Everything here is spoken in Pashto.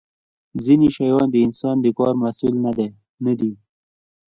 ځینې شیان د انسان د کار محصول نه دي.